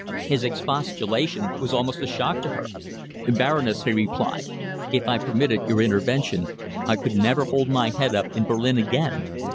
His expostulation was almost a shock to her. "Baroness," he replied, "if I permitted your intervention, I could never hold my head up in Berlin again!